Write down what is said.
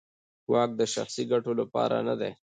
واک د شخصي ګټو لپاره نه دی.